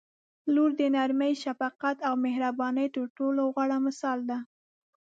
• لور د نرمۍ، شفقت او مهربانۍ تر ټولو غوره مثال دی.